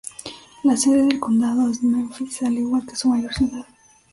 La sede del condado es Memphis, al igual que su mayor ciudad.